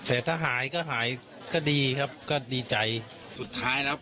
แต่ถ้าหายก็หายก็ดีครับก็ดีใจสุดท้ายแล้ว